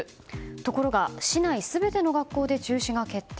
ところが、市内全ての小学校で中止が決定。